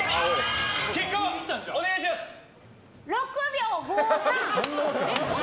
６秒５３。